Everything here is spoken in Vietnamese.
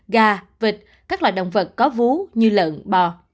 gà vịt các loài động vật có vú như lợn bò